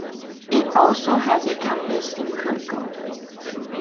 It also has a campus in Curico.